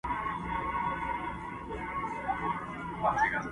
مګر زه خو قاتل نه یمه سلطان یم!